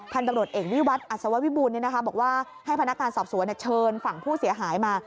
ตำรวจเอกวิวัตรอัศววิบูลบอกว่าให้พนักงานสอบสวนเชิญฝั่งผู้เสียหายมา